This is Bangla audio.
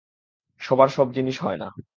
সবার সব জিনিস হয় না।